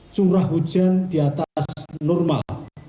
curah hujan di atas normal